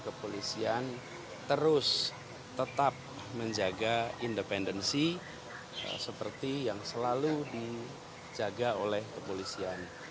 kepolisian terus tetap menjaga independensi seperti yang selalu dijaga oleh kepolisian